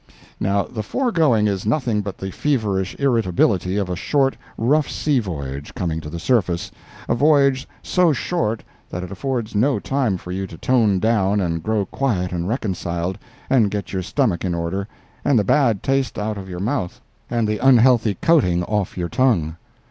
Now, the foregoing is nothing but the feverish irritability of a short, rough sea voyage coming to the surface—a voyage so short that it affords no time for you to tone down and grow quiet and reconciled, and get your stomach in order, and the bad taste out of your mouth, and the unhealthy coating off your tongue.